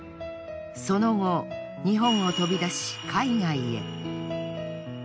その後日本を飛び出し海外へ。